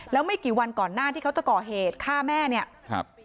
แล้วไม่กี่วันก่อนหน้าที่เขาจะก่อเหตุฆ่าแม่เนี่ยครับ